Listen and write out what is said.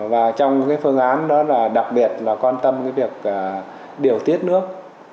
và trong cái phương án đó là đặc biệt là quan tâm việc điều tiết nước